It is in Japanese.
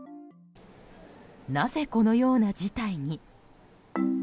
なぜこのような事態に。